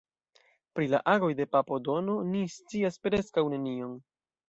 Pri la agoj de papo Dono ni scias preskaŭ nenion.